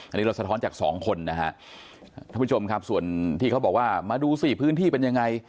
อันนี้เราสะท้อนจากสองคนนะฮะท่านผู้ชมครับส่วนที่เขาบอกว่ามาดูสิพื้นที่เป็นยังไง